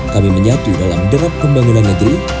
kami menyatu dalam derap pembangunan negeri